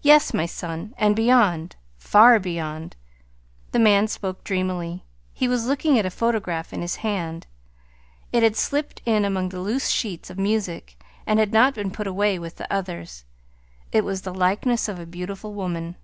"Yes, my son; and beyond far beyond." The man spoke dreamily. He was looking at a photograph in his hand. It had slipped in among the loose sheets of music, and had not been put away with the others. It was the likeness of a beautiful woman.